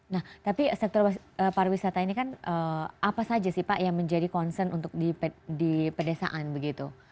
nah tapi sektor pariwisata ini kan apa saja sih pak yang menjadi concern untuk di pedesaan begitu